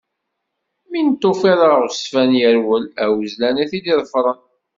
Mi n-tufiḍ aɣezzfan yerwel, d awezzlan i t-id-iḍefren.